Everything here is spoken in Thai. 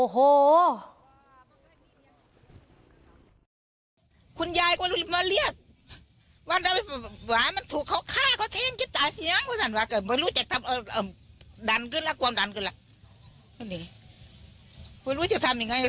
ตอนนั้นคือคือรู้ไหมครับว่าใครแทงคุณใครแทงก็ได้ยินว่าไอ้บักดอนมันแทงหวะ